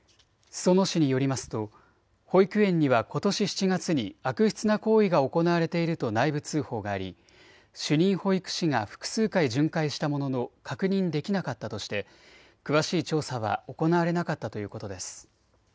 裾野市によりますと保育園にはことし７月に悪質な行為が行われていると内部通報があり主任保育士が複数回、巡回したものの確認できなかったとして詳しい調査は行われなかったということです。